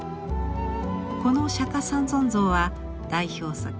この「釈三尊像」は代表作